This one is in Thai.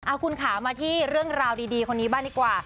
เอาคุณขามาที่เรื่องราวดีคนนี้บ้างดีกว่า